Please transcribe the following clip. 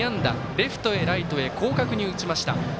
レフトへライトへ広角に打ちました。